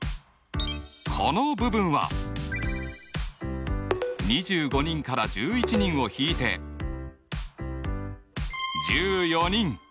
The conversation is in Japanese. この部分は２５人から１１人を引いて１４人。